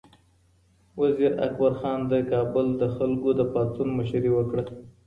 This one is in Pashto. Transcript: وزیر اکبر خان د کابل د خلکو د پاڅون مشري وکړه.